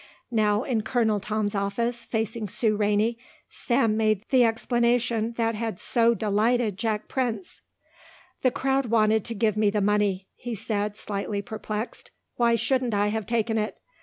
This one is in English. Now in Colonel Tom's office facing Sue Rainey, Sam made the explanation that had so delighted Jack Prince. "The crowd wanted to give me the money," he said, slightly perplexed. "Why shouldn't I have taken it?